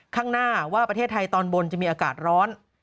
ข้างหน้าว่าประเทศไทยตอนบนจะมีอากาศร้อน